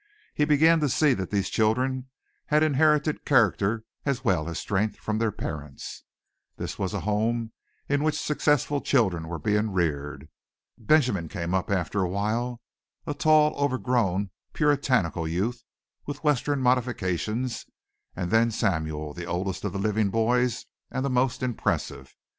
He began to see that these children had inherited character as well as strength from their parents. This was a home in which successful children were being reared. Benjamin came up after awhile, a tall, overgrown, puritanical youth, with western modifications and then Samuel, the oldest of the living boys and the most impressive.